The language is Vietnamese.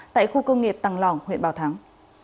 tại khu công nghiệp tàng lỏng huyện bảo thắng